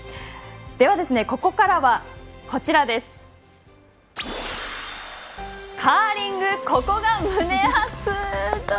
では、ここからは「カーリングここが胸熱！」。